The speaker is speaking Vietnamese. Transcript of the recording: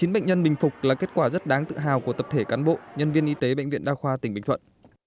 chín bệnh nhân bình phục là kết quả rất đáng tự hào của tập thể cán bộ nhân viên y tế bệnh viện đa khoa tỉnh bình thuận